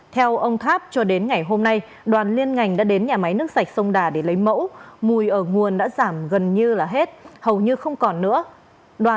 theo ông tháp cho đến ngày hôm nay đoàn liên ngành đã đến nhà máy nước sạch sông đà để lấy mẫu mùi ở nguồn đã giảm gần như là hết hầu như không còn nữa